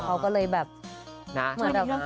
เขาก็เลยเหมือนดอก